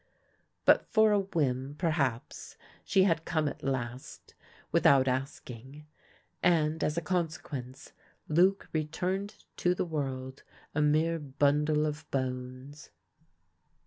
But for a whim, perhaps, she had come at last with out asking, and as a consequence Luc returned to the world a mere bundle of bones.